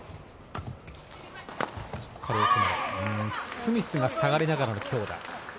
スミスが下がりながらの強打。